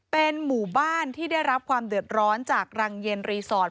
เป็นหมู่บ้านที่ได้รับความเดือดร้อนจากรังเย็นรีสอร์ท